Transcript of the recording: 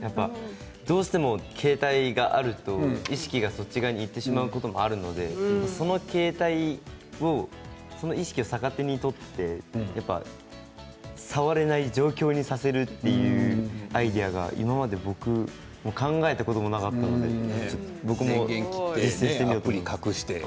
どうしても携帯があると意識がそっちにいってしまうことがあるのでその携帯を意識を逆手に取って触れない状況にさせるというアイデアが今まで僕考えたこともなかったので実践してみようと思います。